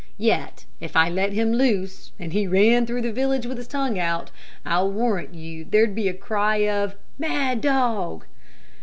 Yet, if I let him loose, and he ran through the village with his tongue out, I'll warrant you there'd be a cry of 'mad dog!'